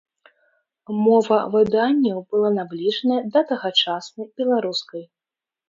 Мова выданняў была набліжаная да тагачаснай беларускай.